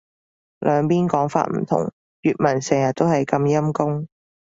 兩邊講法唔同。粵文成日都係咁陰功